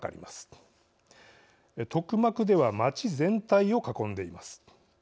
トクマクでは町全体を囲んでいます。